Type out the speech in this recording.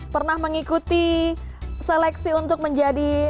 pernah mengikuti seleksi untuk menjadi